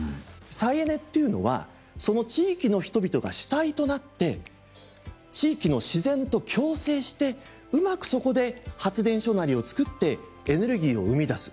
再エネっていうのはその地域の人々が主体となって地域の自然と共生してうまくそこで発電所なりをつくってエネルギーを生み出す。